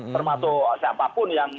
termasuk siapapun yang